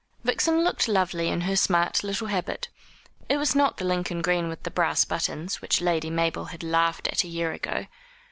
Vixen looked lovely in her smart little habit. It was not the Lincoln green with the brass buttons, which Lady Mabel had laughed at a year ago.